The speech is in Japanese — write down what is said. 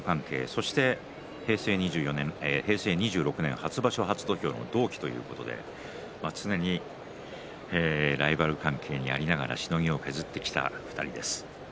そして平成２６年初場所初土俵の同期ということで常にライバル関係にありながらしのぎを削ってきた２人です。